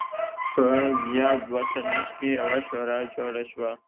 په ویا دوه څلوېښت کې یوه شورا جوړه شوه.